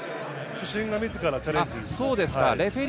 主審が自らチャレンジ。